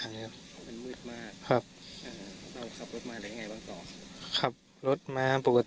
เราขับรถมาแล้วยังไงบ้างพ่อ